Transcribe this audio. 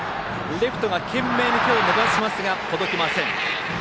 レフトが懸命に手を伸ばしますが届きません。